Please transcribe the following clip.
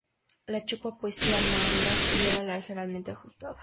La chupa poseía mangas y era ligeramente ajustada.